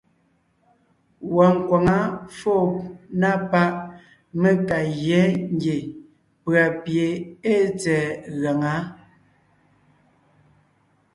Wɔɔn nkwaŋá fóo na páʼ mé ka gyá ngie pʉ̀a pie ée tsɛ̀ɛ gaŋá.